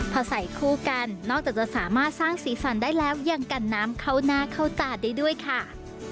พอใส่คู่กันนอกจากจะสามารถสร้างสีสันได้แล้วยังกันน้ำเข้าหน้าเข้าตาได้ด้วยค่ะ